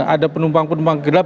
ada penumpang penumpang gelap